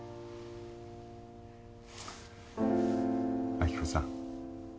亜希子さん